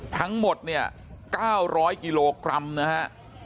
ทั้งหมด๙๐๐กิโลกรัมนะฮะ